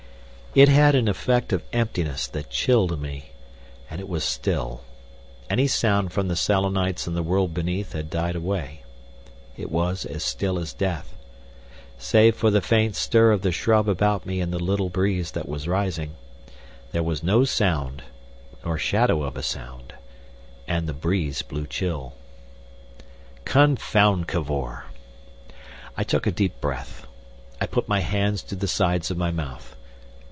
It had an effect of emptiness that chilled me. And it was still. Any sound from the Selenites in the world beneath had died away. It was as still as death. Save for the faint stir of the shrub about me in the little breeze that was rising, there was no sound nor shadow of a sound. And the breeze blew chill. Confound Cavor! I took a deep breath. I put my hands to the sides of my mouth.